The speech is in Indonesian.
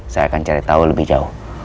saya akan cari tahu lebih jauh